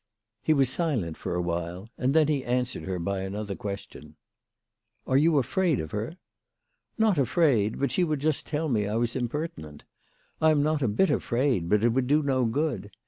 He was silent for a while, and then he answered her by another question. " Are you afraid of her? "" Not afraid. But she would just tell me I was impertinent. I am not if bit afraid, but it would do no good.